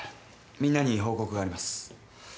みんなに報告があります。